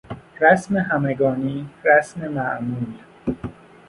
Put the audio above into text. رسم همگانی، رسم معمول